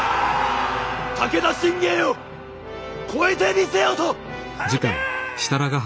武田信玄を超えてみせよと！